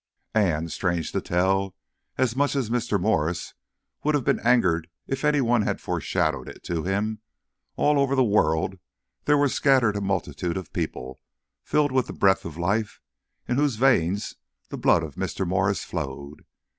And, strange to tell, and much as Mr. Morris would have been angered if any one had foreshadowed it to him, all over the world there were scattered a multitude of people, filled with the breath of life, in whose veins the blood of Mr. Morris flowed.